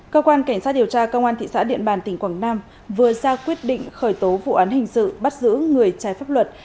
cơ quan cảnh sát điều tra công an thị xã điện bàn tỉnh quảng nam vừa ra quyết định khởi tố vụ án hình sự bắt giữ người trái pháp luật